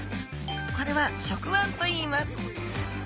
これは触腕といいます。